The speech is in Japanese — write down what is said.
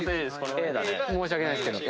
申し訳ないですけど。